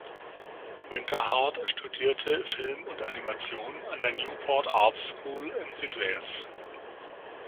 Winterhart studierte Film und Animation an der Newport Arts School in Südwales.